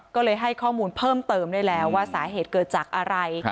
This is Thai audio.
ก็เลยให้ข้อมูลเพิ่มเติมได้แล้วว่าสาเหตุเกิดจากอะไร